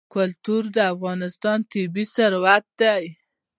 کلتور د افغانستان طبعي ثروت دی.